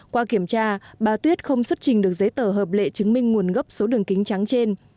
qua kiểm tra bà tuyết không xuất trình được giấy tờ hợp lệ chứng minh nguồn gốc số đường kính trắng trên